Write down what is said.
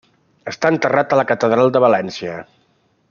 Està enterrat a la catedral de València.